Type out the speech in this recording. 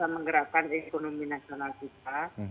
menggerakan ekonomi nasional kita